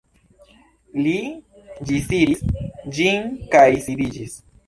Li ĝisiris ĝin kaj sidiĝis.